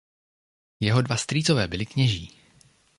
Jeho dva strýcové byli kněží.